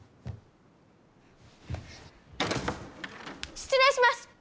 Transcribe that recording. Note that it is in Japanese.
失礼します！